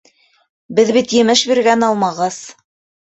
Беҙ бит емеш биргән алмағас.